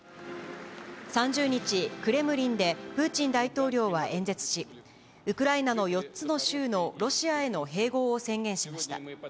３０日、クレムリンでプーチン大統領は演説し、ウクライナの４つの州のロシアへの併合を宣言しました。